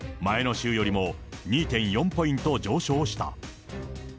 前の週よりも２．４ポイント上昇した。